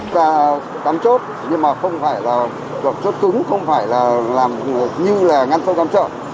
chúng ta cắm chốt nhưng mà không phải là cắm chốt cứng không phải là làm như là ngăn sâu cắm chợ